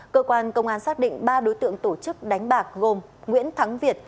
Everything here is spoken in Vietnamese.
cơ quan công an xác định ba đối tượng tổ chức đánh bạc gồm nguyễn thắng việt